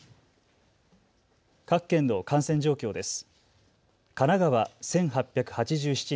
各県の感染状況です。